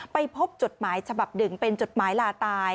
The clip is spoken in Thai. ไปพบจดหมายฉบับหนึ่งเป็นจดหมายลาตาย